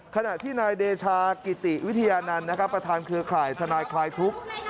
ขณะที่นายเดชากิติวิทยานันต์นะครับประธานเครือข่ายทนายคลายทุกข์